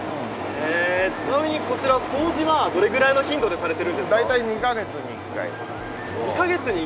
ちなみにこちら掃除はどれくらいの頻度でされているんですか？